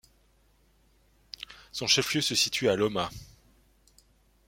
Son chef-lieu se situe à Lomma.